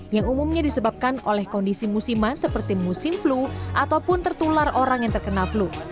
yang umumnya disebabkan oleh kondisi musiman seperti musim flu ataupun tertular orang yang terkena flu